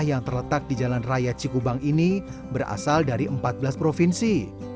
yang terletak di jalan raya cikubang ini berasal dari empat belas provinsi